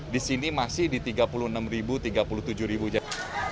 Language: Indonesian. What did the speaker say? di sini masih di rp tiga puluh enam rp tiga puluh tujuh